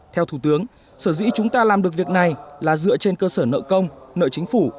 theo thủ tướng sở dĩ chúng ta làm được việc này là dựa trên cơ sở nợ công nợ chính phủ